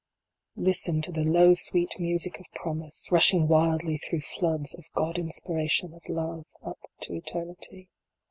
Listen to the low sweet music of promise, rushing wildly through floods of God inspiration of love, up to Eter nity.